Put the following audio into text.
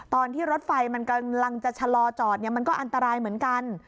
ตอนที่รถไฟมันกำลังจะชะลอจอดมันก็อันตรายเหมือนกัน